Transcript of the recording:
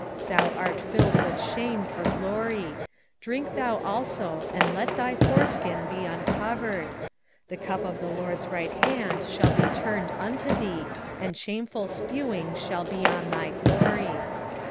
2:16 Thou art filled with shame for glory: drink thou also, and let thy foreskin be uncovered: the cup of the LORD's right hand shall be turned unto thee, and shameful spewing shall be on thy glory.